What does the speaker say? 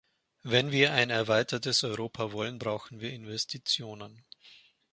Wenn wir ein erweitertes Europa wollen, brauchen wir Investitionen.